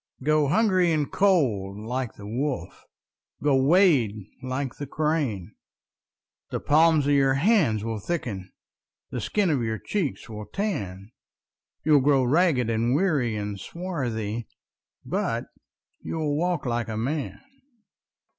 Go hungry and cold like the wolf, Go wade like the crane:The palms of your hands will thicken, The skin of your cheek will tan, You 'll grow ragged and weary and swarthy, But you 'll walk like a man!